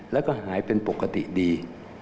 แล้วก็หายเป็นปกติดี